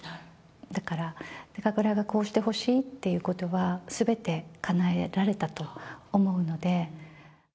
だから高倉がこうしてほしいということはすべてかなえられたと思うので。